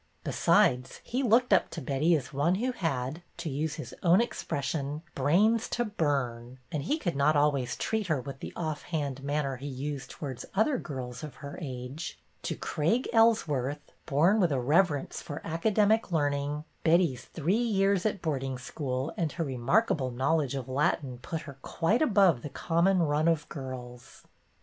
Besides, he looked up to Betty as one who had, to use his own expression, " brains to burn," and he could not always treat her with the off hand manner he used towards other girls of her age. To Craig Ellsworth, born with a reverence for academic learning, Betty's three years at boarding school and her remarkable knowledge of Latin put her quite above the common run of girls.